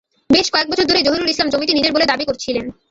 বেশ কয়েক বছর ধরেই জহিরুল ইসলাম জমিটি নিজের বলে দাবি করছিলেন।